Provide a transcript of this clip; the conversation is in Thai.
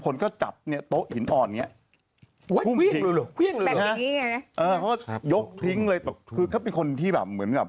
ต่อฉันเหมือนกันหนูไม่ได้เหมือนเธอ